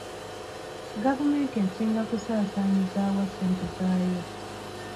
Gavumenti esinga kusaasaanyizibwa wa ssente zaayo?